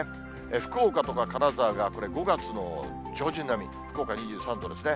福岡とか金沢がこれ、５月の上旬並み、福岡２３度ですね。